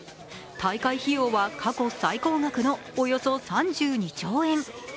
大会費用は過去最高額のおよそ３２兆円。